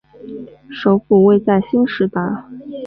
首府位在兴实达。